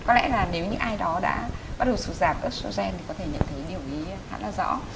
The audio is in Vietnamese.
có lẽ là nếu như ai đó đã bắt đầu sửa giảm estrogen thì có thể nhận thấy điều ý khá là rõ